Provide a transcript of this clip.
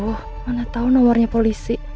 wah mana tahu nomornya polisi